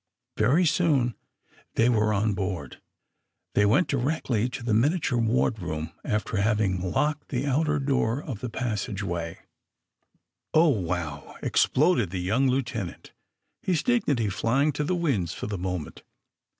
Very soon they were on board. They went directly to the miniature wardroom after having locked the outer door of the passageway. 96 THE SUBMAEINE BOYS '^Oli, wow I" exploded the young lieutenant, his dignity flying to the winds for the moment.